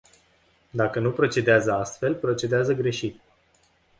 Dacă nu procedează astfel, procedează greșit.